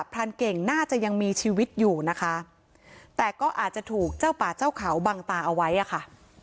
พรานเก่งน่าจะยังมีชีวิตอยู่นะคะแต่ก็อาจจะถูกเจ้าป่าเจ้าเขาบังตาเอาไว้อะค่ะ